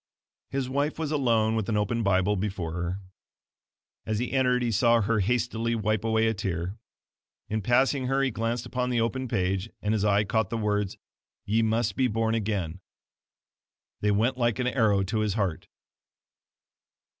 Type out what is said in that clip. His wife was alone with an open Bible before her. As he entered he saw her hastily wipe away a tear. In passing her he glanced upon the open page, and his eye caught the words "YE MUST BE BORN AGAIN!" They went like an arrow to his heart.